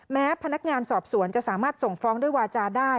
แม้พนักงานสอบสวนจะสามารถส่งฟ้องด้วยวาจาได้